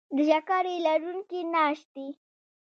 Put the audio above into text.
د شکرې لرونکي ناشتې